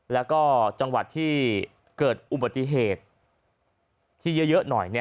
แล้วก็จังหวัดที่เกิดอุบัติเหตุที่เยอะหน่อย